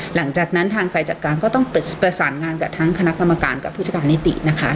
หลังจากนั้นทางฝ่ายจัดการก็ต้องไปประสานงานกับทั้งคณะกรรมการกับผู้จัดการนิตินะคะ